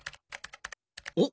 おっ！